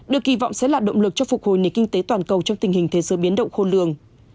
được kỳ vọng sẽ là động lực cho phục hồi nền kinh tế toàn cầu trong tình hình thế giới biến động khôn lường